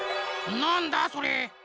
なんだそれ？